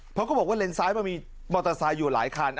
เพราะเขาบอกว่าเลนซ้ายมันมีมอเตอร์ไซค์อยู่หลายคัน